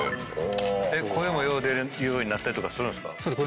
声もよう出るようになったりとかするんですか？